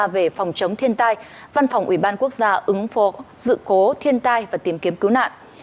về phòng chống thiên tai văn phòng ủy ban quốc gia ứng phó sự cố thiên tai và tìm kiếm cứu nạn